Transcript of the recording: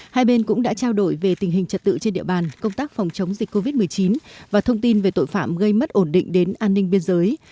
hai bên cũng đã trao đổi về tình hình trật tự trên địa bàn công tác phòng chống dịch covid một mươi chín và thông tin về tội phạm gây mất ổn định đến an ninh biên giới